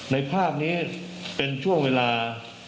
ในภาพนี้เป็นช่วงเวลา